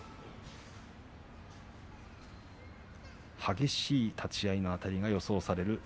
激しい立ち合いのあたりが予想される